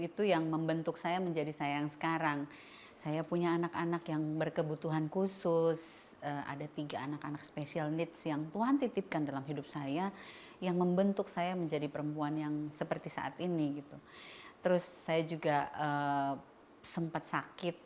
terus saya juga sempat sakit